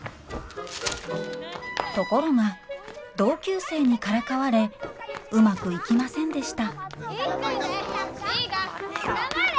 ところが同級生にからかわれうまくいきませんでした黙れ！